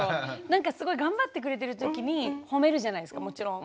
なんかすごい頑張ってくれてるときに褒めるじゃないですかもちろん。